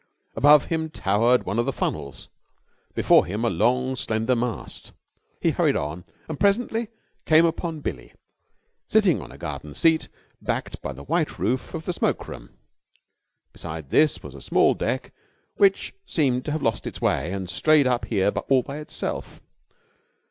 Above him towered one of the funnels, before him a long, slender mast. He hurried on, and presently came upon Billie sitting on a garden seat, backed by the white roof of the smoke room; beside this was a small deck which seemed to have lost its way and strayed up here all by itself.